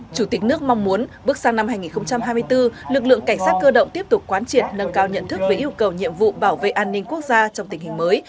chủ tịch nước mong muốn bước sang năm hai nghìn hai mươi bốn lực lượng cảnh sát cơ động tiếp tục quán triệt nâng cao nhận thức về yêu cầu nhiệm vụ bảo vệ an ninh quốc gia trong tình hình mới